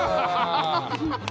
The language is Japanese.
ハハハハ。